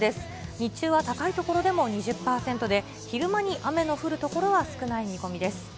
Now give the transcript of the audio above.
日中は高い所でも２０％で、昼間に雨の降る所は少ない見込みです。